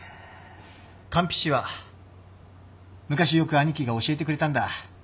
韓非子は昔よく兄貴が教えてくれたんだ。